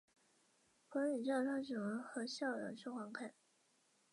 博文女校的创办者和校长是黄侃。